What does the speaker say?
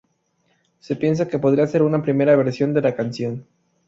Se piensa que podría ser una primera versión de la canción.